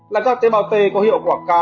là các tế bào t có hiệu quả cao